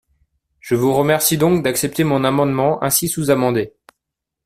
Je vous remercie donc d’accepter mon amendement ainsi sous-amendé.